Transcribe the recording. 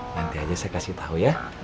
nanti aja saya kasih tahu ya